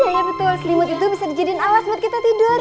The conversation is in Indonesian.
iya betul selimut itu bisa dijadikan alas buat kita tidur